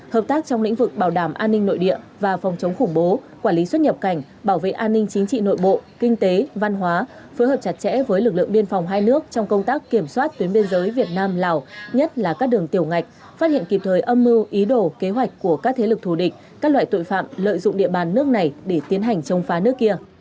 hợp tác trong lĩnh vực bảo đảm an ninh nội địa và phòng chống khủng bố quản lý xuất nhập cảnh bảo vệ an ninh chính trị nội bộ kinh tế văn hóa phối hợp chặt chẽ với lực lượng biên phòng hai nước trong công tác kiểm soát tuyến biên giới việt nam lào nhất là các đường tiểu ngạch phát hiện kịp thời âm mưu ý đồ kế hoạch của các thế lực thù địch các loại tội phạm lợi dụng địa bàn nước này để tiến hành chống phá nước kia